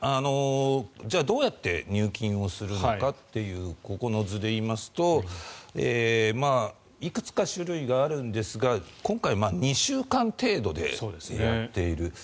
じゃあ、どうやって入金をするのかというここの図でいいますといくつか種類があるんですが今回、２週間程度でやっている。